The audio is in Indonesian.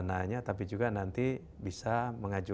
nah kita akan mulai